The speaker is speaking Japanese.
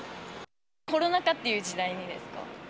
コロナ禍っていう時代にですか。